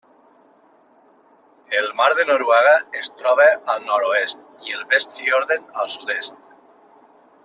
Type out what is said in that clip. El mar de Noruega es troba al nord-oest i el Vestfjorden al sud-est.